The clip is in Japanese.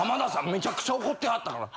めちゃくちゃ怒ってはったから。